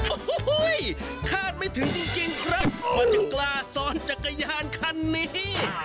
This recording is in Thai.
โอ้โหคาดไม่ถึงจริงครับว่าจะกล้าซ้อนจักรยานคันนี้